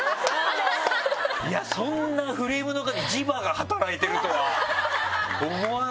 いやそんなフレームの中に磁場が働いてるとは思わないけど。